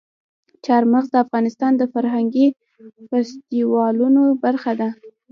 چار مغز د افغانستان د فرهنګي فستیوالونو برخه ده.